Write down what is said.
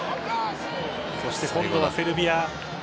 そして今度はセルビア。